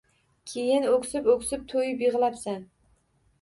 Keyin o‘ksib-o‘ksib — to‘yib yig‘labsan.